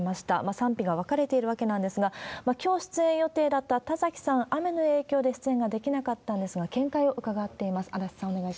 賛否が分かれているわけなんですが、きょう出演予定だった田崎さん、雨の影響で出演ができなかったんですが、見解を伺っています。